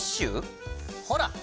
ほら！